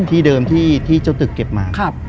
ที่เดิมที่เจ้าตึกเก็บมา